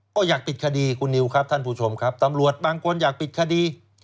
ก็อยากปิดคดีคุณนิวครับท่านผู้ชมครับตำรวจบางคนอยากปิดคดี